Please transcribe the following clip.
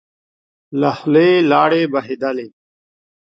له خولی يې لاړې بهېدلې.